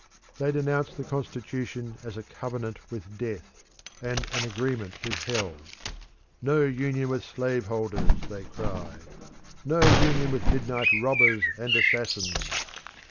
They denounced the constitution as a covenant with death, and an agreement with hell. No union with slave holders! they cried. No union with midnight robbers and assassins!